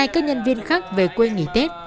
các nhân viên khác về quê nghỉ tết